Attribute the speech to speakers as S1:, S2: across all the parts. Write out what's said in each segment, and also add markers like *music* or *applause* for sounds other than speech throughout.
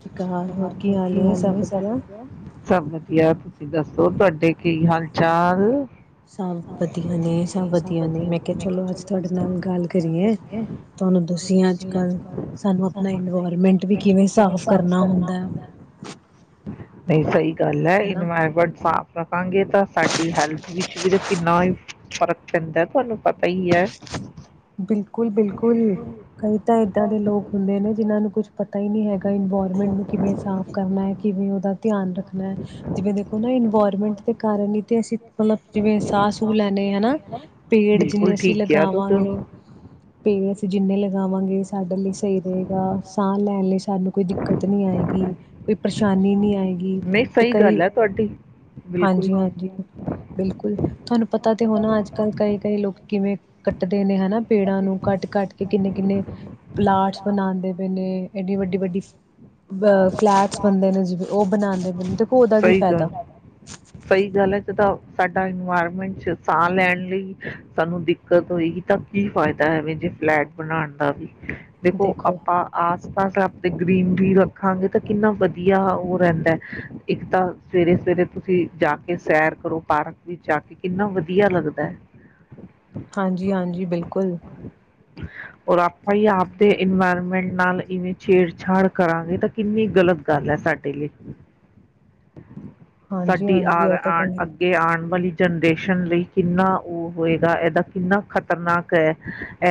S1: ਸਤਿ ਸ਼੍ਰੀ ਅਕਾਲ ਹੋਰ ਹਾਲ
S2: ਕੀ
S1: ਏ
S2: ਹੋ
S1: ਸਭ ਵਧੀਆ?
S2: ਵਧੀਆ ਤੁਸੀਂ ਦੱਸੋ ਤੁਹਾਡੇ ਕੀ ਹਾਲ ਚਾਲ
S1: ਸਭ ਵਧੀਆ ਨੇ ਸਭ ਵਧੀਆ ਨੇ ਮੈਂ ਕਿਹਾ ਚਲੋ ਅੱਜ ਤੁਹਾਡੇ ਨਾਲ ਗੱਲ ਕਰੀਏ ਤੁਹਾਨੂੰ ਦੱਸੀਏ ਅੱਜ ਕੱਲ੍ਹ ਸਾਨੂੰ ਆਪਣਾ ਇਨਵਾਇਰਮੈਂਟ ਵੀ ਕਿਵੇਂ ਸਾਫ਼ ਕਰਨਾ ਹੁੰਦਾ ਹੈ
S2: ਨਹੀਂ ਸਹੀ
S1: ਹਨਾ।
S2: ਰਣਵੀਰਮਟ ਸਾਫ਼ ਰੱਖਾਂਗੇ ਤਾਂ ਸਾਡੀ ਹੈਲਥ ਵਿੱਚ ਵੀ ਤਾਂ ਕਿੰਨਾ ਹੀ ਫ਼ਰਕ ਪੈਂਦਾ ਤੁਹਾਨੂੰ ਪਤਾ ਹੀ ਹੈ
S1: ਬਿਲਕੁਲ ਬਿਲਕੁਲ ਕਈ ਤਾਂ ਇਏਦਾਂ ਦੇ ਲੋਕ ਹੁੰਦੇ ਨੇ ਜਿਹਨਾਂ ਨੂੰ ਕੁੱਛ ਪਤਾ ਪਤਾ ਹੀ ਨਹੀਂੀ ਹੈਗਾ ਇਨਵਾਇਰਮੈਂਟ ਨੂੰ ਕਿਵੇਂ ਸਾਫ਼ ਕਰਨਾ ਹੈ ਕਿਵੇਂ ਉਹਦਾ ਧਿਆਨ ਰੱਖਣਾ ਜਿਵੇਂ ਦੇਖੋ ਨਾ ਇਨਵਾਇਰਮੈਂਟ ਦੇ ਕਾਰਨ ਹੀ ਤੇ ਅਸੀਂ ਮਤਲਬ ਜਿਵੇਂ ਸਾਹ ਸੂਹ ਲੈਣੇ ਹਨਾ ਪੇੜ ਜਿੰਨੇ
S2: ਬਿਲਕੁਲ
S1: ਅਸੀਂ
S2: ਠੀਕ ਕਿਹਾ ਤੁਸੀਂ
S1: ਲਗਾਵਾਂਗੇ ਪੇ ਅਸੀਂ ਜਿੰਨੇ ਲਗਾਵਾਂਗੇ ਸਾਡੇ ਲਈ ਸਹੀ ਰਹੇਗਾ ਸਾਹ ਲੈਣ ਲਈ ਸਾਨੂੰ ਕੋਈ ਦਿੱਕਤ ਨੀ ਆਏਗੀ ਕੋਈ ਪਰੇਸ਼ਾਨੀ ਨਹੀਂੀ ਆਏਗੀ
S2: ਨਹੀਂ
S1: ਤੇ
S2: ਸਹੀ
S1: ਕਈ
S2: ਗੱਲ ਹੈ ਤੁਹਾਡੀ ਬਿਲਕੁਲ
S1: ਹਾਂਜੀ ਹਾਂਜੀ ਬਿਲਕੁਲ ਤੁਹਾਨੂੰ ਪਤਾ ਤੇ ਹੋਣਾ ਅੱਜ ਕੱਲ੍ਹ ਕਈ ਕਈ ਲੋਕ ਕਿਵੇਂ ਕੱਟਦੇ ਨੇ ਹਨਾ ਪੇੜਾਂ ਨੂੰ ਕੱਟ ਕੱਟ ਕੇ ਕਿੰਨੇ ਕਿੰਨੇ ਪਲਾਾਂਟਸ ਬਣਾਉਂਦੇ ਪਏ ਨੇ ਇਡੀ ਵੱਡੀ ਵੱਡੀ ਅ ਫਲੈਟਸ ਬੰਦੇ ਨੇ ਜਿਵੇਂ ਉਹ ਬਣਾਉਂਦੇ ਤੇ ਦੇਖੋ ਉਹਦਾ ਕੀ
S2: ਸਹੀ
S1: ਫਾਇਦਾ
S2: ਗੱਲ ਸਹੀ ਗੱਲ ਹੈ ਜਦੋਂ ਸਾਡਾ ਇਨਵਾਇਰਮੈਂਟ ਚ ਸਾਹ ਲੈਣ ਲਈ ਸਾਨੂੰ ਦਿੱਕਤ ਹੋਏਗੀ ਤਾਂ ਕੀ ਫਾਇਦਾ ਹੈਵੇ ਜੇ ਫਲੈਟ ਬਣਾਉਣ ਦਾ ਵੀ ਦੇਖੋ ਆਪਾਂ ਆਸ ਪਾਸ ਤੇ ਗ੍ਰੀਨ ਖਾਂਗੇ ਤਾਂ ਕਿੰਨਾ ਵਧੀਆ ਉਹ ਰਹਿੰਦਾ ਹੈ ਇੱਕ ਤਾਂ ਸਵੇਰੇ ਸਵੇਰੇ ਤੁਸੀਂ ਜਾ ਕੇ ਸੈਰ ਕਰੋ ਪਾਰਕ ਵਿੱਚ ਜਾ ਕੇ ਕਿੰਨਾ ਵਧੀਆ ਲੱਗਦਾ ਹੈ
S1: ਹਾਂਜੀ ਹਾਂਜੀ ਬਿਲਕੁਲ
S2: ਔਰ ਆਪਾਂ ਹੀ ਆਪਦੇ ਇਨਵਾਇਰਮੈਂਟ ਨਾਲ ਇਵੇਂ ਛੇੜਛਾੜ ਕਰਾਂਗੇ ਤਾਂ ਕਿੰਨੀ ਗਲਤ ਗੱਲ ਹੈ, ਸਾਡੇ ਲਈ।
S1: ਹਾਂਜੀ
S2: ਸਾਡੀ ਆ
S1: ਹਾਂਜੀ ਇਹ ਤਾਂ
S2: ਆਣ
S1: ਗੱਲ ਹੈ
S2: ਅੱਗੇ ਆਉਣ ਵਾਲੀ ਜਨਰੇਸ਼ਨ ਲਈ ਕਿੰਨਾ ਉਹ ਹੋਏਗਾ ਇਹਦਾ ਕਿੰਨਾ ਖ਼ਤਰਨਾਕ ਹੈ,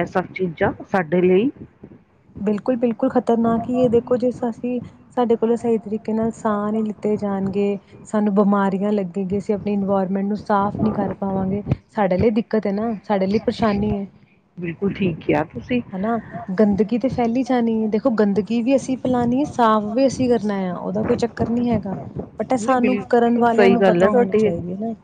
S2: ਇਹ ਸਭ ਚੀਜ਼ਾਂ ਸਾਡੇ ਲਈ
S1: ਬਿਲਕੁਲ ਬਿਲਕੁਲ ਖਤਰਨਾਕ ਹੀ ਇਹ ਦੇਖੋ ਜਿਸ ਕਿ ਸਾਡੇ ਕੋਲੋਂ ਸਹੀ ਤਰੀਕੇ ਨਾਲ, ਸਾਹ ਨਹੀਂ ਲਿੱਤੇ ਜਾਣਗੇ ਸਾਨੂੰ ਬਿਮਾਰੀਆਂ ਲੱਗੇਗੀ, ਅਸੀਂ ਆਪਣੀ ਇਨਵਾਇਰਮੈਂਟ ਨੂੰ ਸਾਫ਼ ਨਹੀਂ ਕਰ ਪਾਵਾਂਗੇ ਸਾਡੇ ਲਈ ਦਿੱਕਤ ਹੈ ਨਾ। ਸਾਡੇ ਲਈ ਪਰੇਸ਼ਾਨੀ ਹੈ,
S2: ਬਿਲਕੁਲ ਠੀਕ ਕਿਹਾ ਤੁਸੀਂ
S1: ਹਨਾ ਗੰਦਗੀ ਫੈਲੀ ਜਾਣੀ ਆ, ਦੇਖੋ ਗੰਦਗੀ ਵੀ ਅਸੀਂ ਫੈਲਾਉਣੀ ਆ, ਸਾਫ਼ ਵੀ ਅਸੀਂ ਕਰਨਾ ਆ, ਉਹਦਾ ਕੋਈ ਚੱਕਰ ਨਹੀ ਹੈਗਾ। ਬਟਾ, ਇਹ
S2: ਨਹੀਂ
S1: ਸਾਨੂੰ ਕਰਨ
S2: ਬਿਲਕੁਲ
S1: ਵਾਲਿਆਂ
S2: ਸਹੀ
S1: ਨੂੰ,
S2: ਗੱਲ ਹੈ
S1: ਪਤਾ ਹੋਣੀ
S2: ਤੁਹਾਡੀ ਇਹ
S1: ਚਾਹੀਦੀ ਨਾ।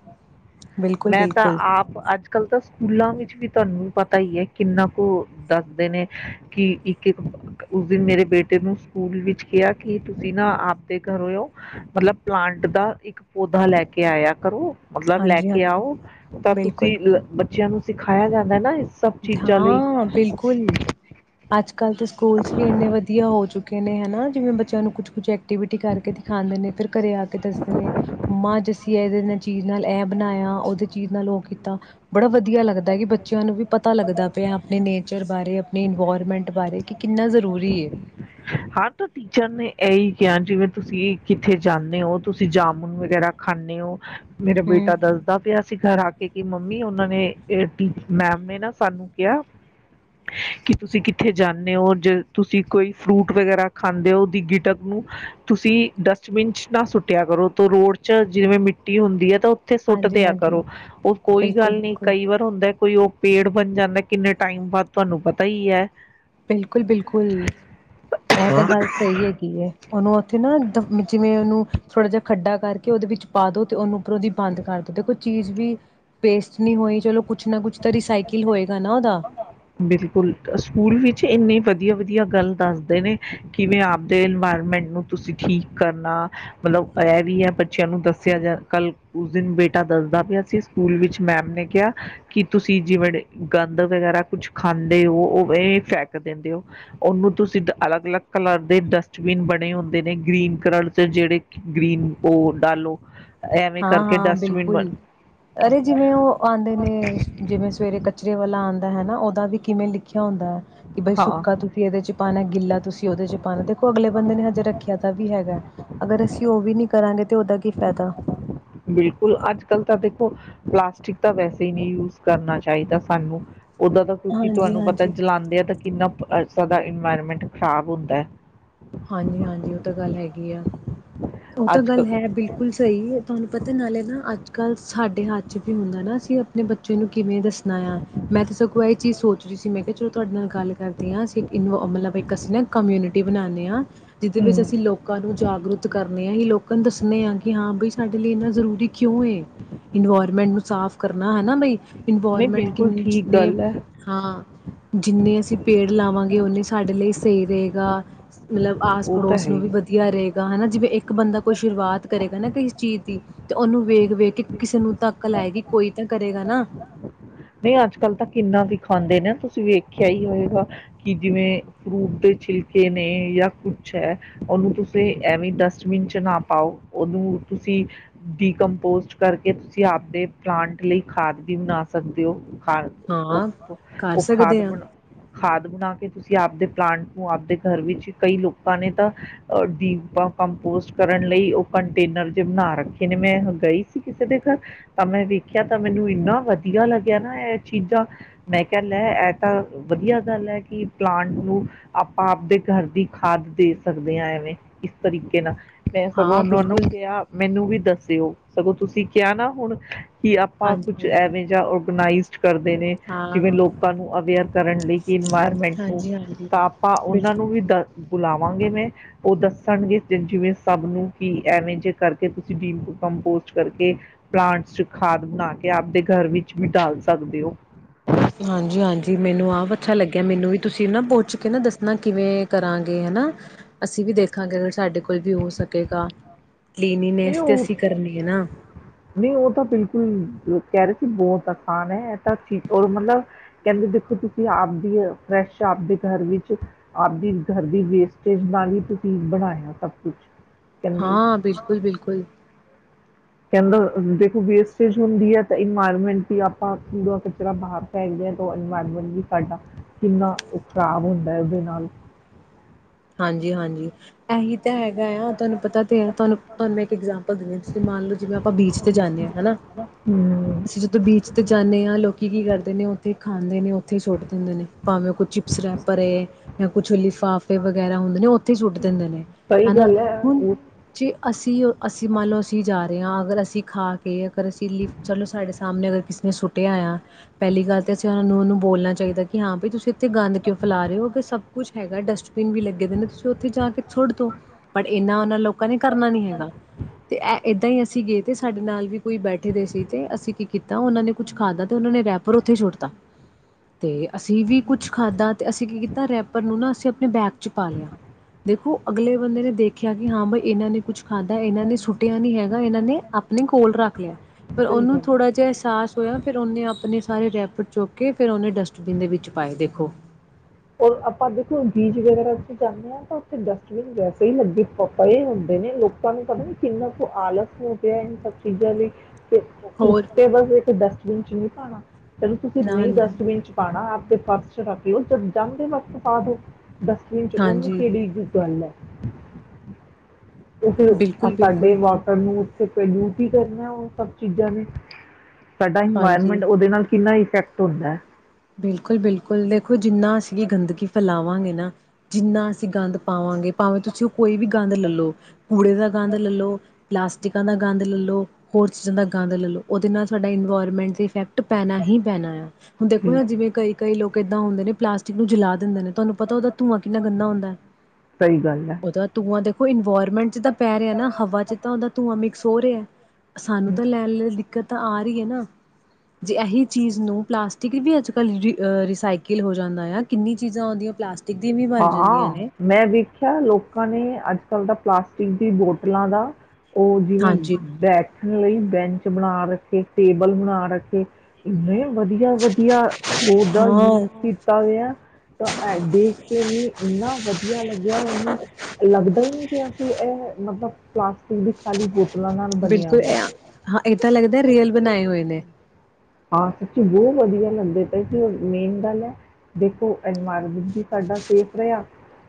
S1: ਬਿਲਕੁਲ
S2: ਮੈਂ ਤਾਂ
S1: ਬਿਲਕੁਲ
S2: ਆਪ, ਅੱਜ ਕੱਲ ਤਾਂ ਸਕੂਲਾਂ ਵਿੱਚ ਵੀ ਤੁਹਾਨੂੰ ਪਤਾ ਈ ਆ, ਕਿੰਨਾ ਕੁ ਦੱਸਦੇ ਨੇ ਕਿ, ਇੱਕ ਇੱਕ ਉਸ ਦਿਨ ਮੇਰੇ ਬੇਟੇ ਨੂੰ ਸਕੂਲ ਵਿੱਚ ਕਿਹਾ, ਕਿ ਤੁਸੀਂ ਨਾ ਆਪਦੇ ਘਰੋਂਓ ਮਤਲਬ ਪਲਾਂਟ ਦਾ ਇੱਕ ਪੌਦਾ ਲੈ ਕੇ ਆਇਆ ਕਰੋ। ਮਤਲਬ ਲੈ ਕੇ
S1: ਹਾਂਜੀ
S2: ਕੇ
S1: ਹਾਂਜੀ
S2: ਆਓ ਤਾਂ
S1: ਬਿਲਕੁਲ
S2: ਤੁਸੀਂ, ਬੱਚਿਆਂ ਨੂੰ ਸਿਖਾਇਆ ਜਾਂਦਾ ਨਾ, ਇਸ ਸਭ ਚੀਜ਼ਾਂ ਲਈ
S1: ਹਾਂਆ, ਬਿਲਕੁਲ ਅੱਜ ਕੱਲ੍ਹ ਤਾਂ ਸਕੂਲਸ ਵੀ, ਇੰਨੇ ਵਧੀਆਂ ਹੋ ਚੁੱਕੇ ਨੇਂ ਹਨਾ। ਜਿਵੇਂ ਬੱਚਿਆਂ ਨੂੰ ਕੁੱਛ -ਕੁੱਛ ਐਕਟੀਵਿਟੀ ਕਰਕੇ ਦਿਖਾਂਦੇ ਨੇ, ਫੇਰ ਘਰੇ ਆ ਕੇ ਦੱਸਦੇ ਨੇ, ਮੰਮਾ ਅਜ ਅਸੀਂ ਇਹਦੇ ਨਾਲ ਚੀਜ਼ ਨਾਲ ਇਹ ਬਣਾਇਆ, ਉਹਦੇ ਚੀਜ਼ ਨਾਲ ਉਹ ਕੀਤਾ, ਬੜਾ ਵਧੀਆ ਵਧੀਆ ਲੱਗਦਾ, ਕਿ ਬੱਚਿਆਂ ਨੂੰ ਵੀ ਪਤਾ ਲੱਗਦਾ ਪਿਆ, ਆਪਣੇ ਨੇਚਰ ਬਾ ਬਾਰੇ ਆਪਣੀ ਇਨਵਾਰਮੈਂਟ ਬਾਰੇ, ਕਿ ਕਿੰਨਾ ਜ਼ਰੂਰੀ ਆ।
S2: ਹਾਂ ਤਾਂ ਟੀਚਰ ਨੇ ਇਹੀ ਕਿਹਾ, ਜਿਵੇਂ ਤੁਸੀਂ ਕਿੱਥੇ ਜਾਂਦੇ ਹੋ, ਤੁਸੀਂ ਜਾਮੁਨ ਵਗੈਰਾ ਖਾਂਨੇ ਹੋ। ਮੇਰਾ
S1: ਹਮ
S2: ਬੇਟਾ ਦੱਸਦਾ ਪਿਆ ਸੀ। ਘਰ ਆ ਕੇ, ਮੰਮੀ ਉਹਨਾਂ ਨੇ ਆ, ਮੈਮ ਨੇ ਨਾ ਸਾਨੂੰ ਕਿਹਾ ਕਿ, ਤੁਸੀਂ ਕਿੱਥੇ ਜਾਂਨੇ ਹੋ ਜੇ ਤੁਸੀਂ ਕੋਈ ਫਰੂਟ ਵਗੈਰਾ ਖਾਂਦੇ ਹੋ, ਉਹਦੀ ਗਿਟਕ ਨੂੰ ਤੁਸੀਂ ਡਸਟਬਿਨ ਚ ਨਾ ਸੁੱਟਿਆ ਕਰੋ ਤੋ ਰੋਡ ਚ, ਜਿਵੇਂ ਮਿੱਟੀ ਹੁੰਦੀ ਹੈ ਤਾਂ ਉੱਥੇ ਸੁੱਟ
S1: ਹਾਂਜੀ
S2: ਦਿਆ
S1: ਹਾਂਜੀ
S2: ਕਰੋ, ਉਹ ਕੋਈ
S1: ਬਿਲਕੁਲ
S2: ਗੱਲ ਨੀ
S1: ਬਿਲਕੁਲ
S2: ਕਈ ਵਾਰ ਹੁੰਦਾ ਕੋਈ ਉਹ ਪੇੜ ਬਨ ਜਾਂਦਾ, ਕਿੰਨੇ ਟਾਈਮ ਬਾਅਦ ਤੁਹਾਨੂੰ ਪਤਾ ਹੀ ਆ।
S1: ਬਿਲਕੁਲ ਬਿਲਕੁਲ ਇਹ ਤਾਂ ਗੱਲ ਸਹੀ ਹੈਗੀ ਆ, ਉਹਨੂੰ ਉੱਥੇ ਨਾ ਦੇ, ਜਿਵੇਂ ਉਹਨੂੰ ਥੋੜਾ ਜਿਹਾ ਖੱਡਾ ਕਰਕੇ, ਉਹਦੇ ਵਿੱਚ ਪਾ ਦੋ ਤੇ, ਉਹਨੂੰ ਉੱਪਰੋਂ ਦੀ ਬੰਦ ਕਰ ਦੋ, ਦੇਖੋ ਚੀਜ਼ ਵੀ ਵੇਸਟ ਨਹੀਂ ਹੋਈ ਚਲੋ ਕੁਛ ਨਾ ਕੁਛ ਤਾਂ, ਰੀਸਾਈਕਲ ਹੋਏਗਾ ਨਾ ਉਹਦਾ।
S2: ਇੰਨੀ ਵਧੀਆ ਵਧੀਆ ਗੱਲ ਦੱਸਦੇ ਨੇ, ਕਿਵੇਂ ਆਪਦੇ ਇਨਵਾਇਰਮੈਂਟ ਨੂੰ ਤੁਸੀਂ ਠੀਕ ਕਰਨਾ, ਮਤਲਬ ਇਹ ਵੀ ਹੈ, ਬੱਚਿਆਂ ਨੂੰ ਦੱਸਿਆ ਜਾ ਕੱਲ ਉਸ ਦਿਨ ਬੇਟਾ ਦੱਸਦਾ ਪਿਆ ਸੀ ਸਕੂਲ ਵਿੱਚ ਮੈਮ ਨੇ ਕਿਹਾ ਕਿ ਤੁਸੀਂ, ਜਿਵੇਂ ਗੰਦ ਵਗੈਰਾ ਕੁਛ ਖਾਂਦੇ ਹੋ, ਉਹਵੇ ਫੈਕ ਦਿੰਦੇ ਹੋ ਉਹਨੂੰ ਤੁਸੀਂ ਅਲੱਗ ਅਲੱਗ ਕਲਰ ਦੇ ਡਸਟਬਿਨ ਬਣੇ ਹੁੰਦੇ ਨੇ, ਗ੍ਰੀਨ ਕਲਰ ਜਿਹੜੇ ਗ੍ਰੀਨ ਉਹ ਡਾਲੋ, ਐਵੇਂ
S1: ਹਾਂ
S2: ਕਰਕੇ
S1: ਹਾਂ
S2: ਡਸਟਬਿਨ ਬਣ
S1: ਬਿਲਕੁਲ ਅਰੇ ਜਿਵੇਂ ਉਹ ਆਉਂਦੇ ਨੇ ਜਿਵੇਂ ਸਵੇਰੇ ਕਚਰੇ ਵਾਲਾ ਆਉਂਦਾ ਹੈਨਾ, ਉਹਦਾ ਵੀ ਕਿਵੇਂ ਲਿਖਿਆ ਹੁੰਦਾ ਆ, ਕਿ ਬਾਈ
S2: ਹਾਂ।
S1: ਸੁੱਕਾ ਤੁਸੀਂ ਇਹਦੇ ਚ ਪਾਉਣਾ ਗਿੱਲਾ ਤੁਸੀਂ ਉਹਦੇ ਚ' ਪਾਉਣਾ ਦੇਖੋ ਅਗਲੇ ਬੰਦੇ ਨੇ ਹਜੇ ਰੱਖਿਆ ਤਾਂ ਵੀ ਹੈਗਾ। ਅਗਰ ਅਸੀਂ ਉਹ ਵੀ ਨੀ ਕਰਾਂਗੇ ਤੇ ਉਹਦਾ ਕੀ ਫਾਇਦਾ।
S2: ਬਿਲਕੁਲ ਅੱਜ ਕੱਲ ਤਾਂ ਦੇਖੋ ਪਲਾਸਟਿਕ ਤਾਂ ਵੈਸੇ ਵੀ ਨਹੀਂ ਯੂਜ ਕਰਨਾ ਚਾਹੀਂਦਾ ਸਾਨੂੰ ਉਦਾਂ ਤਾਂ, ਕਿਉਂਕਿ
S1: ਹਾਂਜੀ
S2: ਤੁਹਾਨੂੰ ਪਤਾ
S1: ਹਾਂਜੀ
S2: ਜਲਾਉਂਦੇ ਆ ਤਾਂ ਕਿੰਨਾ ਸ ਦਾ ਇਨਵਾਇਰਮੈਂਟ ਖ਼ਰਾਬ ਹੁੰਦਾ ਹੈ
S1: ਹਾਂਜੀ ਹਾਂਜੀ ਉਹ ਤਾਂ ਗੱਲ ਹੈਗੀ ਆ ਉਹ ਤਾਂ
S2: ਅੱਜ
S1: ਗੱਲ
S2: ਕ-
S1: ਹੈ ਬਿਲਕੁਲ ਸਹੀ ਹੈ ਤੁਹਾਨੂੰ ਪਤਾ ਨਾਲੇ ਨਾ ਅੱਜ ਕੱਲ੍ਹ ਸਾਡੇ ਹੱਥ ਵੀ ਹੁੰਦਾ ਨਾ ਅਸੀਂ ਆਪਣੇ ਬੱਚੇ ਨੂੰ ਕਿਵੇਂ ਦੱਸਣਾ ਆ ਮੈਂ ਤੇ ਸਗੋਂ ਇਹ ਚੀਜ਼ ਸੋਚ ਰਹੀ ਸੀ ਮੈਂ ਤੇ ਚਲੋ ਤੁਹਾਡੇ ਨਾਲ ਗੱਲ ਕਰਦੇ ਹਾਂ ਅਸੀਂ ਇੱਕ ਨਾ ਮਤਲਬ ਇੱਕ ਅਸੀਂ ਨਾ ਕਮਿਨਿਟੀ ਬਣਾਉਦੇ *unintelligible* ਜਿਹਦੇ ਵਿੱਚ
S2: ਹਮ,
S1: ਅਸੀਂ ਲੋਕਾਂ ਨੂੰ ਜਾਗਰੂਕ ਕਰਨੇ ਹਾਂ ਹੀ ਲੋਕਾਂ ਨੂੰ ਦੱਸਣੇ ਹਾਂ ਕਿ ਹਾਂ ਬਈ ਸਾਡੇ ਲਈ ਇੰਨਾ ਜ਼ਰੂਰੀ ਕਿਉਂ ਇਨਵਾਇਰਮੈਂਟ ਨੂੰ ਸਾਫ਼ ਕਰਨਾ ਹਨਾ ਬਈ
S2: ਨਹੀਂ
S1: ਇਨਵਾਇਰਮੈਂਟ
S2: ਬਿਲਕੁਲ
S1: ਕਿੰਨ
S2: ਠੀਕ
S1: ਜਿੰਨੇ
S2: ਗੱਲ ਹੈ
S1: ਹਾਂ ਜਿੰਨੇ ਅਸੀਂ ਪੇੜ ਲਾਵਾਂਗੇ ਉਨੇ ਸਾਡੇ ਲਈ ਸਹੀ ਰਹੇਗਾ ਮਤਲਬ ਆਸ ਪੜੋਸ ਨੂੰ ਵੀ ਵਧੀਆ ਰਹੇਗਾ ਹਨਾ ਜਿਵੇਂ ਇੱਕ ਬੰਦਾ ਕੋਈ ਸ਼ੁਰੂਆਤ ਕਰੇਗਾ ਨਾ ਕਿਸੇ ਚੀਜ਼ ਦੀ ਤੇ ਉਹਨੂੰ ਵੇਗ ਵੇਖ ਕੇ ਕਿਸੇ ਨੂੰ ਤੱਕ ਲਾਏਗੀ ਕੋਈ ਤਾਂ ਕਰੇਗਾ ਨਾ
S2: ਨਹੀਂ ਅੱਜ ਕੱਲ ਤਾਂ ਕਿੰਨਾ ਵੀਖਾਂਦੇ ਨੇ ਤੁਸੀਂ ਵੇਖਿਆ ਹੀ ਹੋਏਗਾ ਕਿ ਜਿਵੇਂ ਫਰੂਟ ਦੇ ਛਿਲਕੇ ਨੇ ਜਾਂ ਕੁਛ ਹੈ ਉਹਨੂੰ ਤੁਸੀਂ ਐਵੇਂ ਡਸਟਬਿਨ ਚ ਨਾ ਪਾਓ ਉਹਨੂੰ ਤੁਸੀਂ ਡੀਕਪੋਸਟ ਕਰਕੇ ਤੁਸੀਂ ਆਪਦੇ ਪਲਾਂਟ ਲਈ ਖਾਦ ਵੀ ਬਣਾ ਸਕ ਸਦਓ ਖਾ
S1: ਹਾਂ
S2: ਉਹ
S1: ਕਰ
S2: ਉਹ ਖਾਦ
S1: ਸਕਦੇ ਹਾਂ
S2: ਬਣਾ ਖਾਦ ਬਣਾ ਕੇ ਤੁਸੀਂ ਆਪਦੇ ਪਲਾਂਟ ਨੂੰ ਆਪਦੇ ਘਰ ਵਿੱਚ ਕਈ ਲੋਕਾਂ ਨੇ ਤਾਂ ਅ ਡਪਾਂ ਕੰਪੋਸਟ ਕਰਨ ਲਈ ਉਹ ਕੰਟੇਨਰ ਜੇ ਬਣਾ ਰੱਖੇ ਨੇ ਮੈਂ ਗਈ ਸੀ ਕਿਸੇ ਦੇ ਘਰ ਤਾਂ ਮੈਂ ਵੇਖਿਆ ਤਾਂ ਮੈਨੂੰ ਇੰਨਾ ਵਧੀਆ ਸੀਗਾ ਲੱਗਿਆ ਨਾ ਇਹ ਚੀਜ਼ਾਂ ਮੈਂ ਕਹਿ ਲੈ ਇਹ ਤਾਂ ਵਧੀਆ ਗੱਲ ਹੈ ਕਿ ਪਲਾਂਟ ਨੂੰ ਆਪਾਂ ਆਪਦੇ ਘਰ ਦੀ ਖਾਦ ਦੇ ਸਕਦੇ ਹਾਂ ਐਵੇਂ ਇਸ ਤਰੀਕੇ ਨਾਲ ਮੈਂ ਸਗੋਂ
S1: ਹਾਂ
S2: ਉਹਨੂੰ ਉਹਨੂੰ
S1: ਬਿਲਕੁਲ
S2: ਕਿਹਾ ਮੈਨੂੰ ਵੀ ਦੱਸਿਓ ਸਗੋਂ ਤੁਸੀਂ ਕਿਹਾ ਨਾ ਹੁਣ ਕਿ ਆਪਾਂ ਕੁੱਛ
S1: ਹਾਂਜੀ-ਹਾਂਜੀ
S2: ਐਵੇਂ ਔਗਨਾਈਜ਼ ਕਰਦੇ ਨੇ
S1: ਹਾਂ
S2: ਜਿਵੇਂ ਲੋਕਾਂ ਨੂੰ ਅਵੇਅਰ ਕਰਨ ਲਈ ਕਿ ਇਨਵਾਇਰਮੈਂਟ ਨੂੰ
S1: ਹਾਂਜੀ-ਹਾਂਜੀ
S2: ਤਾਂ ਆਪਾਂ ਉਹਨਾਂ ਨੂੰ
S1: ਬਿਲਕੁਲ
S2: ਵੀ ਦ ਬੁਲਾਵਾਂਗੇ ਮੈਂ ਉਹ ਦੱਸਣਗੇ ਜਿਵੇਂ ਸਭ ਨੂੰ ਕਿ ਐਵੇਂ ਜਿਹੇ ਕਰਕੇ ਤੁਸੀਂ ਡੀ ਕੰਪੋਸਟ ਕਰਕੇ ਪਲਾਂਟਸ ਚ ਖਾਦ ਬਣਾ ਕੇ ਆਪਦੇ ਘਰ ਵਿੱਚ ਵੀ ਡਾਲ ਸਕਦੇ ਹੋ
S1: ਹਾਂਜੀ ਹਾਂਜੀ ਮੈਨੂੰ ਆਪ ਅੱਛਾ ਲੱਗਿਆ ਮੈਨੂੰ ਵੀ ਤੁਸੀਂ ਨਾ ਪੁੱਛ ਕੇ ਨਾ ਦੱਸਣਾ ਕਿਵੇਂ ਕਰਾਂਗੇ ਹਨਾ ਅਸੀਂ ਵੀ ਦੇਖਾਂਗੇ ਅਗਰ ਸਾਡੇ ਕੋਲ ਵੀ ਹੋ ਸਕੇਗਾ ਕਲਾਨਲੀਨਸ ਨੇ
S2: ਨਹੀਂ
S1: ਇਸ ਤੇ
S2: ਉਹ
S1: ਅਸੀਂ ਕਰਨੀ ਹੈ ਨਾ
S2: ਨਹੀਂ ਉਹ ਤਾਂ ਬਿਲਕੁਲ ਕਹਿ ਰਹੇ ਸੀ ਬਹੁਤ ਆਸਾਨ ਹੈ ਇਹ ਤਾਂੀ ਮਤਲਬ ਕਹਿੰਦੇ ਦੇਖੋ ਤੁਸੀਂ ਆਪਦੀ ਫਰੈਸ਼ ਆਪਦੇ ਘਰ ਵਿੱਚ ਆਪਦੀ ਘਰ ਦੀ ਵੇਸਟੇਜ ਨਾਲ ਹੀ ਤੁਸੀਂ ਬਣਾਇਆ ਸਭ ਕੁਛ
S1: ਹਾਂ ਬਿਲਕੁਲ ਬਿਲਕੁਲ
S2: ਕਹਿੰਦਾ ਦੇਖੋ ਵੇਸਟੇਜ ਹੁੰਦੀ ਹੈ, ਤਾਂ ਇਨਵਾਇਰਮੈਂਟ ਵੀ ਆਪਾਂ ਪੂਰਾ ਕਚਰਾ ਬਾਹਰ ਫੈਕਦੇ ਹਾਂ ਤੋ ਇਨਵਾਇਰਮੈਂਟ ਵੀ ਸਾਡਾ ਕਿੰਨਾ ਖ਼ਰਾਬ ਹੁੰਦਾ ਹੈ ਇਹਦੇ ਨਾਲ
S1: ਹਾਂਜੀ-ਹਾਂਜੀ ਇਹੀ ਹੈਗਾ ਆ ਤੁਹਾਨੂੰ ਪਤਾ ਤੇ ਹੈ ਤੁਹਾਨੂੰ ਤੁਹਾਨੂੰ ਮੈਂ ਇੱਕ ਇਗਜਾਮਪਲ ਦੇਵ ਤੁਸੀਂ ਮੰਨ ਲਓ ਜਿਵੇਂ ਆਪਾਂ ਬੀਚ ਤੇ ਜਾਂਦੇ ਹਾਂ, ਹਨਾ
S2: ਹੂੰ
S1: ਅਸੀਂ ਜਦੋਂ ਬੀਚ ਤੇ ਜਾਂਦੇ ਹਾਂ ਲੋਕੀ ਕੀ ਕਰਦੇ ਨੇ ਉੱਥੇ ਖਾਂਦੇ ਨੇ ਏਥੇ ਹੀ ਸੋਟ ਦਿੰਦੇ ਨੇ ਪਾਵੇਂ ਕੋਈ ਚਿਪਸ ਰੈਪਰ ਏ ਯਾਂ ਕੁਛ ਲਿਫਾਫ਼ ਵਗੈਰਾ ਹੁੰਦੇ ਨੇ ਉੇਹ ਇੱਥੇ ਸੁੱਟ ਦਿੰਦੇ ਨੇ
S2: ਸਹੀ
S1: ਹਨਾ
S2: ਗੱਲ ਹੈ
S1: ਹੁਣ
S2: ਉਹ
S1: ਜੇ ਅਸੀਂ ਅਸੀਂ ਮੰਨ ਲਓ ਅਸੀਂ ਜਾਰੇ ਹਾਂ- ਤਾਂ ਅਸੀ ਅਗਰ ਅਸੀਂ ਖਾ ਕੇ ਅਗਰ ਅਸੀਂ ਲਿਫ ਚਲੋ ਸਾਡੇ ਸਾਹਮਣੇ ਅਗਰ ਕਿਸੇ ਨੇ ਸੁੱਟਿਆ ਆ ਪਹਿਲੀ ਗੱਲ ਤਾਂ ਅਸੀਂ ਉਹਨਾਂ ਨੂੰ ਉਹਨੂੰ ਬੋਲਣਾ ਚਾਹੀਦਾ ਕਿ ਹਾਂ ਭਈ ਤੁਸੀਂ ਇੱਥੇ ਗੰਦ ਕਿਉਂ ਫੈਲਾ ਰਹੇ ਹੋ। ਅਗੇ ਸਭ ਕੁੱਛ ਹੈਗਾ ਡਸਟ ਬੀਨ ਵੀ ਲੱਗੇ ਦੇ ਨੇ ਤੁਸੀਂ ਉੱਥੇ ਜਾ ਕੇ ਸੁੱਟ ਦੋ ਪਰ ਇਨਾ ਉਨ੍ਹਾਂਨਾਂ ਲੋਕ ਲੋਕਾਂ ਨੇ ਕਰਨਾ ਨੀ ਹੈਗਾ ਤੇ ਏਦਾਂ ਹੀ ਅਸੀਂ ਗਏ ਤੇ ਸਾਡੇ ਨਾਲ ਵੀ ਕੋਈ ਬੈਠੇ ਦੇ ਸੀ ਤੇ ਅਸੀਂ ਕੀ ਕੀਤਾ ਉਹਨਾਂ ਨੇ ਕੁੱਛ ਖਾਧਾ ਤੇ ਉਹਨਾਂ ਨੇ ਰੈਪ ਪਰ ਉੱਥੇ ਸੁੱਟਤਾ ਤੇ ਅਸੀਂ ਵੀ ਕੁੱਛ ਖਾਧਾ ਤੇ ਅਸੀਂ ਕੀ ਕੀਤਾ ਰੈਪਰ ਨੂੰ ਨਾ ਅਸੀਂ ਚ ਪਾ ਲਿਆ ਦੇਖੋ ਅਗਲੇ ਬੰਦੇ ਨੇ ਦੇਖਿਆ ਕਿ ਹਾਂ ਬਈ ਇਹਨਾਂ ਨੇ ਕੁਛ ਖਾਧਾ ਇਹਨਾਂ ਨੇ ਸੁੱਟਿਆ ਨੀ ਹੈਗਾ ਇਹਨਾਂ ਨੇ ਆਪਣੇ ਕੋਲ ਰੱਖ ਲਿਆ। ਪਰ
S2: ਸਹੀ
S1: ਉਨੂੰ
S2: ਗੱਲ ਹੈ।
S1: ਥੋੜਾ ਜਿਹਾ ਅਹਿਸਾਸ ਹੋਇਆ, ਫਿਰ ਉਹਨੇ ਨੇ ਅਪਣੇ ਸਾਰੇ ਰੈਪਰ ਚੁੱਕ ਕਿ ਫਿਰ ਉਹਨੇ ਡਸਟਬਿਨ ਦੇ ਵਿੱਚ ਪਾਏ। ਦੇਖੋ-
S2: ਔਰ ਆਪਾਂ ਦੇਖੋ ਬੀਜ ਵਗੈਰਾ ਤੇ ਜਾਂਦੇ ਹਾਂ ਤਾਂ ਉੱਥੇ ਡਸਟਬਿਨ ਵੈਸੇ ਹੀ ਲੱਗੇ ਪਏ ਹੁੰਦੇ ਨੇ ਲੋਕਾਂ ਨੂੰ ਪਤਾ ਨੀ ਕਿੰਨਾ ਕੁ ਆਲਸ ਹੋ ਗਿਆ ਹੈ। ਇਹ ਸਭ ਚੀਜ਼ਾਂ ਲਈ
S1: ਹੋਰ
S2: ਬਸ ਵਿੱਚ ਦੱਸ ਵਿੱਚ ਨੀ ਪਾਣਾ ਅਗਰ ਤੁਸੀਂ
S1: ਨਾ
S2: ਨਹੀਂ
S1: ਨਾ
S2: ਡਸਟਬਿਨ ਚ ਪਾਣਾ ਆ ਤੇ ਪਾਸੇ ਰੱਖ ਲਵੋ ਜਦ ਜਾਂਦੇ ਬਾਕੀ ਪਾਦੋ ਡਸਟਬੀਨ ਚ ਉਹਨੂੰ
S1: ਹਾਂਜੀ
S2: ਕਿਹੜੀ ਕੀ ਗੱਲ ਏ। *inaudible* ਤੇੇ ਫਿਰ
S1: ਬਿਲਕੁਲ
S2: ਸਾਡੇ
S1: ਬਿਲਕੁਲ
S2: ਵਾਟਰ ਨੂੰ ਫਿਰ ਪਲੇਊਟ ਹੀ ਕਰਨਾ ਉਹ ਸਭ ਚੀਜ਼ਾਂ ਨੇ ਸਾਡਾ
S1: ਹਾਂਜੀ
S2: ਇਨਵਾਇਰਮੈਂਟ ਉਹਦੇ ਨਾਲ ਕਿੰਨਾ ਇਫਕਟ ਹੁੰਦਾ।
S1: ਬਿਲਕੁਲ-ਬਿਲਕੁਲ ਦੇਖੋ ਜਿੰਨਾ ਅਸੀਂ ਗੰਦਗੀ ਫੈਲਾਵਾਂਗੇ ਨਾ ਜਿੰਨਾ ਅਸੀਂ ਗੰਦ ਪਾਵਾਂਗੇ ਭਾਵੇਂ ਤੁਸੀਂ ਓ ਕੋਈ ਵੀ ਗੰਧ ਲਲੋ ਕੂੜੇ ਦਾ ਗੰਧ ਲਲੋ ਪਲਾਸਟਿਕਾਂ ਦਾ ਗੰਦ ਲੈ ਲਓ ਹੋਰ ਚੀਜ਼ਾਂ ਦਾ ਗੰਦ ਲੈ ਲਓ ਉਹਦੇ ਨਾਲ ਸਾਡਾ ਇਨਵਾਇਰਮੈਂਟ ਦਾ ਇਫੈਕਟ ਪੈਣਾ ਹੀ ਪੈਣਾ ਆ-
S2: ਵੀ
S1: ਹੁਣ ਜਿਵੇਂ ਕਈ ਕਈ ਲੋਕ ਕਿੱਦਾਂ ਹੁੰਦੇ ਨੇ ਪਲਾਸਟਿਕ ਨੂੰ ਜਲਾ ਦਿੰਦੇ ਨੇ ਤੁਹਾਨੂੰ ਪਤਾ ਉਹਦਾ ਧੂੰਆਂ ਕਿੰਨਾ ਗੰਦਾ ਹੁੰਦਾ।
S2: ਸਹੀ ਗੱਲ ਹੈ
S1: ਉਹਦਾ ਧੂੰਆਂ ਤੇ ਕੋਈ ਵਾਇਰਮੈਂਟ ਤਾਂ ਪੈ ਰਿਹਾ ਨਾ ਹਵਾ ਚ ਤਾਂ ਹੁੰਦਾ ਤੂੰਆਂ ਸੋਰਿਆ ਸਾਨੂੰ ਤਾਂ ਲੈ ਲੈ ਤਾਂ ਆ ਰਹੀ ਹੈ ਨਾ ਜੇ ਇਹੀ ਚੀਜ਼ ਨੂੰ ਪਸਟ ਟਿਕ ਵੀ ਅੱਜ ਕੱਲ੍ਹ ਰੀ ਅ ਰੀਸਾਈਕਲ ਹੋ ਜਾਂਦਾ ਆ ਕਿੰਨੀ ਚੀਜ਼ਾਂ ਆਉਂਦੀਆਂ ਪਲਾਸ
S2: ਹਾਂ ਮੈਂ ਵੇਖਿਆ ਲੋਕਾਂ ਨੇ ਅੱਜ ਚਲਦਾ ਪਲਾਸਟਿਕ ਦੀ ਬੋਤਲਾਂ ਦਾ ਉਹ ਜਿਵੇਂ
S1: ਹਾਂਜੀ
S2: ਬੈਠਣ ਲਈ ਬੈਂਚ ਬਣਾ ਰੱਖੇ ਟੇਬਲ ਬਣਾ ਰੱਖੇ ਇਨੇਂ ਵਧੀਆ ਵਧੀਆ ਓਦਾ ਯੂਜ
S1: ਹਾਂ
S2: ਕੀਤਾ ਗਿਆ ਤਾਂ ਐਡੇ ਇਹ ਇਨਾ ਵਧੀਆ ਲੱਗਿਆ ਓਨੂੰ ਲੱਗਦਾ ਹੀ ਨਹੀਂ ਪਿਆ ਕਿ ਇਹ ਮਤਲਬ ਪਲਾਸਟਿਕ ਦੀ ਖਾਲੀ ਬੋਤਲਾਂ ਨਾਲ ਬਣਿਆ
S1: ਬਿਲਕੁਲ
S2: ਹੋਇਆ
S1: ਐ ਹਾਂ ਏਦਾਂ ਲੱਗਦਾ ਰੀਅਲ ਬਣਾਏ ਹੋਏ ਨੇ
S2: ਹਾਂ ਸੱਚੀ ਬਹੁਤ ਵਧੀਆ ਲੱਗਦੇ ਪਏ ਸੀ ਮੇਨ ਗੱਲ ਹੈ ਦੇਖੋ ਇਨਵਾਇਰਮੈਂਟ ਵੀ ਸਾਡਾ ਸੇਫ ਰਿਹਾ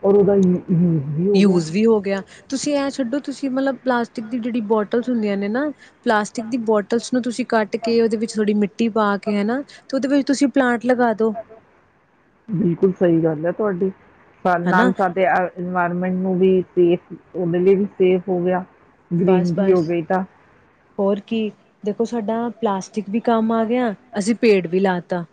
S2: ਔਰ ਉਹਦਾ ਯੂਜ਼ ਵੀ ਹੋ ਗਿਆ ਯੂਜ਼ ਹੋ ਗਿਆ।
S1: ਯੂਜ
S2: ਤੁਸੀਂ
S1: ਵੀ ਹੋ ਗਿਆ ਤੁਸੀਂ ਐਂ ਛੱਡੋ ਤੁਸੀਂ ਮਤਲਬ ਪਲਾਸਟਿਕ ਦੀ ਜਿਹੜੀ
S2: ਇਹ ਦੇਖੋ, ਤੁਸੀਂ ਅਗਰ
S1: ਬੋਟਲਸ
S2: ਪਲਾਸਟਿਕ
S1: ਹੁੰਦੀਆਂ ਨੇ
S2: ਦੀ
S1: ਨਾ
S2: ਜਿਹੜੀ ਬੋਟਲ ਹੁੰਦੀ ਹੈ ਨਾ,
S1: ਪਲਾਸਟਿਕ ਦੀ
S2: ਬੋਟਲ
S1: ਬੋਟਲਸ ਨੂੰ ਤੁਸੀਂ ਕੱਟ ਕੇ ਉਹਦੇ ਵਿੱਚ ਥੋੜੀ
S2: ਜਿਹੜੀ
S1: ਮਿੱਟੀ ਪਾ ਕੇ ਹੈਨਾ ਉਹਦੇ ਵਿੱਚ ਤੁਸੀਂ ਪਲਾਂਟ
S2: ਨਾ,
S1: ਲਗਾ ਦੋ
S2: ਬਿਲਕੁਲ ਸਹੀ ਗੱਲ ਹੈ ਤੁਹਾਡੀ ਤੁਹਾਡ ਨਾਲ
S1: ਹਨਾ
S2: ਸਾਡੇ ਐ ਇਨਵਾਇਰਮੈਂਟ ਨੂੰ ਵੀ ਸੇਫ ਉਹਦੇ ਲਈ ਵੀ ਸੇਫ ਹੋ ਗਿਆ
S1: ਬਸ
S2: ਗਰੀਨਰੀ ਵੀ ਹੋ
S1: ਬਸ
S2: ਗਈ ਤਾਂ
S1: ਹੋਰ ਕੀ ਦੇਖੋ ਸਾਡਾ ਪਲਾਸ ਟਿਕ ਵੀ ਕੰਮ ਆ ਗਿਆ ਅਸੀਂ ਪੇੜ ਵੀ ਲਾਤਾ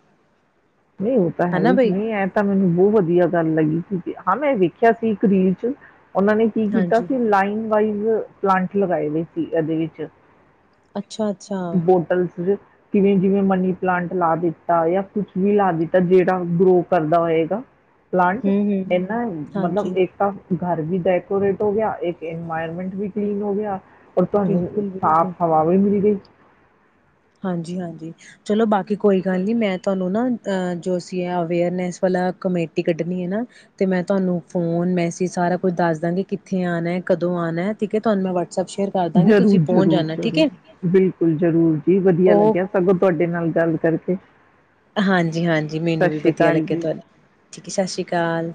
S2: ਨਹੀਂ ਉਹ ਤਾਂ ਹੈਈ ਨਹੀਂ ਐ ਤਾਂ ਮੈਨੂੰ ਬਹੁਤ ਵਧੀਆ ਗੱਲ ਲੱਗੀ ਹਾਂ ਮੈਂ ਵੇਖਿਆ ਸੀ ਇਕ ਰੀਲ ਚ ਉਹਨਾਂ ਨੇ ਕੀ ਕੀਤਾ
S1: ਹਾਂਜੀ
S2: ਸੀ ਲਾਈਨ ਪਾਇਜ਼ ਪਲਾਂਟ ਲਗਾਏ ਨੇ ਸੀ ਇਹਦੇ ਵਿੱਚ
S1: ਅੱਛਾ-ਅੱਛਾ,
S2: ਬੋਟਲਸ ਚ ਕਿਵੇਂ ਜਿਵੇਂ ਮਨੀ ਪਲਾਂਟ ਲਾ ਦਿੱਤਾ ਜਾਂ ਕੁਛ ਵੀ ਲਾ ਦਿੱਤਾ ਜਿਹੜਾ ਗਰੋ ਕਰਦਾ ਹੋਏਗਾ ਪਲਾਂਟ
S1: ਹੂੰ-ਹੂੰ,
S2: ਇਹਨਾ ਮਤਲਬ
S1: ਹਾਂਜੀ,
S2: ਇੱਕਾ ਘਰ ਵੀ ਡੈਕੋਰੇਟ ਹੋ ਗਿਆ ਇੱਕ ਇਨਵਾਇਰਮੈਂਟ ਵੀ ਕਲੀਨ ਹੋ ਗਿਆ ਹੋਰ ਤੁਹਾਨੂੰ
S1: ਬਿਲਕੁਲ-ਬਿਲਕੁਲ,
S2: ਸਾਫ ਹਵਾ ਵੀ ਮਿਲ ਗਈ
S1: ਹਾਂਜੀ ਹਾਂਜੀ ਚਲੋ ਬਾਕੀ ਕੋਈ ਗੱਲ ਨਹੀਂ ਮੈਂ ਤੁਹਾਨੂੰ ਨਾ ਅ ਜੋ ਅਸੀਂ ਐ ਅਵੇਅਰਨੈਸ ਵਾਲਾ ਕਮੇਟੀ ਕੱਢਣੀ ਹੈ ਨਾ ਤੇ ਮੈਂ ਤੁਹਾਨੂੰ ਫੋਨ ਮੈਸੇਜ ਸਾਰਾ ਕੁਝ ਦੱਸ ਦਾਂਗੀ ਕਿੱਥੇ ਆਉਣਾ ਹੈ ਕਦੋਂ ਆਣਾ ਠੀਕ ਹੈ ਤੁਹਾਨੂੰ ਮੈਂ ਵਟਸ
S2: ਜ਼ਰੂਰ-ਜ਼ਰੂਰ-ਜ਼ਰੂਰ। ਬਿਲਕੁਲ, ਜ਼ਰੂਰ ਜੀ ਜ਼ ਵਧੀਆ
S1: ਓ
S2: ਲੱਗਿਆ, ਸਗੋਂ ਤੁਹਾਡੇ ਨਾਲ ਗੱਲ ਕਰਕੇ। ਖਾਲੀ
S1: ਹਾਂਜੀ-ਹਾਂਜੀ। ਮੈਨੂੰ ਵੀ ਵਧੀਆ ਲੱਗਿਆ,
S2: ਜੀ
S1: ਤੁਹਾਨੂੰ ਠੀਕ ਹੈ, ਸਤਿ ਸ਼੍ਰੀ ਅਕਾਲ।